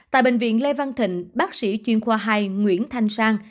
tại bệnh viện lê văn thịnh bác sĩ chuyên khoa hai nguyễn thanh sang